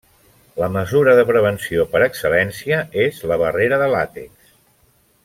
La mesura de prevenció per excel·lència és la barrera de làtex.